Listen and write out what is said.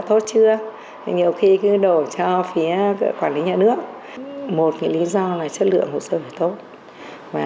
tốt chưa thì nhiều khi cứ đổ cho phía quản lý nhà nước một lý do là chất lượng hồ sơ phải tốt và